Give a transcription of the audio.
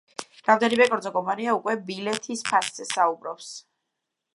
რამდენიმე კერძო კომპანია უკვე ბილეთის ფასზე საუბრობს.